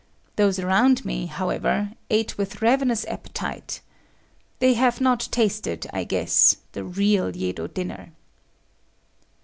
Those around me, however, ate with ravenous appetite. They have not tasted, I guess, the real Yedo dinner.